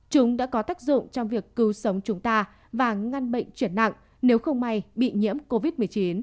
chúng đã có tác dụng trong việc cứu sống chúng ta và ngăn bệnh chuyển nặng nếu không may bị nhiễm covid một mươi chín